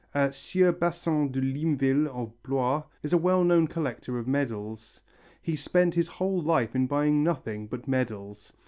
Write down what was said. A Sieur Basin de Limeville of Blois is a well known collector of medals. He spent his whole life in buying nothing but medals.